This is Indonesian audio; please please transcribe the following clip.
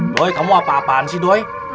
doi kamu apa apaan sih doi